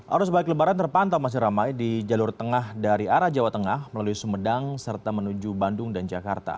arus balik lebaran terpantau masih ramai di jalur tengah dari arah jawa tengah melalui sumedang serta menuju bandung dan jakarta